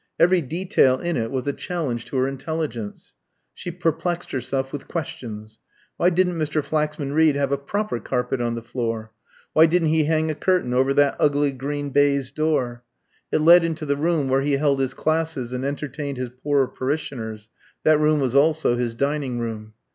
Every detail in it was a challenge to her intelligence. She perplexed herself with questions. Why didn't Mr. Flaxman Reed have a proper carpet on the floor? Why didn't he hang a curtain over that ugly green baize door? It led into the room where he held his classes and entertained his poorer parishioners; that room was also his dining room.